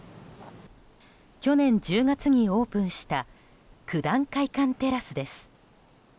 去年１０月にオープンした九段会館テラスです。